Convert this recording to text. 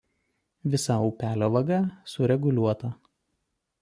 Visa upelio vaga sureguliuota.